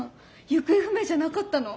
行方不明じゃなかったの？